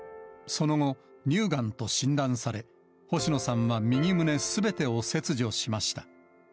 その後、乳がんと診断され、星野さんは右胸すべてを切除しました。